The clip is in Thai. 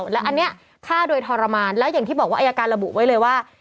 และอันนี้ฆ่าโดยทรมานแล้วอย่างที่บอกว่าอายการระบุไว้เลยว่า